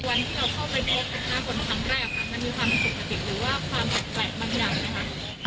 วันที่เราเข้าไปพบกับน้าคนทั้งแรกค่ะมันมีความสุขปกติหรือว่าความแปลกมากยังไงคะ